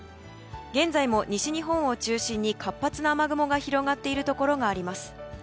現在も西日本を中心に活発な雨雲が広がっているところがあります。